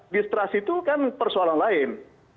distrust itu kan persoalan lain